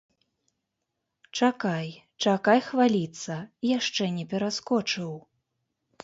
Чакай, чакай хваліцца, яшчэ не пераскочыў.